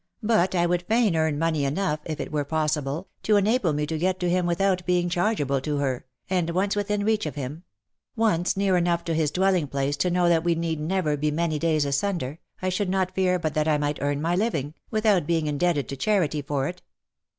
" But I would fain earn money enough, if it were possible, to enable me to get to him without being chargeable to her, and once within reach of him — once near enough to his dwelling place to know that we need never be many days asunder, I should not fear but that I might earn my living, without being indebted to charity OF MICHAEL ARMSTRONG. 339 for it.